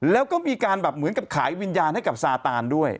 แล้วก็มีการแบบเหมือนกับขายวิญญาณให้กับซาตานด้วย